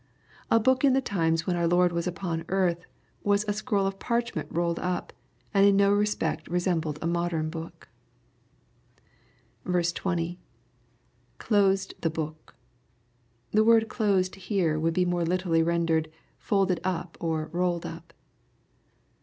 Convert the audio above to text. A book in the times when our Lord was upon earth, was a scroll of parchment rolled up, and in no respect resembled a modem book. 20. — {C7o»«i ihe hook.] The word "closed" here, would be more literally rendered, "folded up," or "rolled up."